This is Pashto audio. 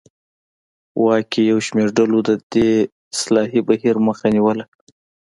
واک کې یو شمېر ډلو د دې اصلاحي بهیر مخه نیوله.